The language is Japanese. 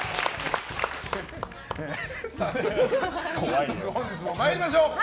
早速本日も参りましょう。